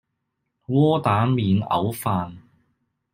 窩蛋免牛飯